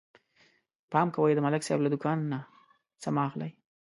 پام کوئ د ملک صاحب له دوکان نه څه مه اخلئ